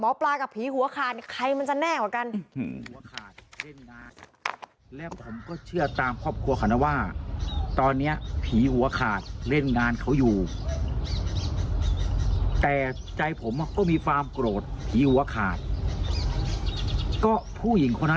ปลากับผีหัวขาดใครมันจะแน่กว่ากัน